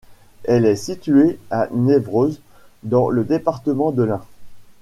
Elle est située à Niévroz dans le département de l'Ain.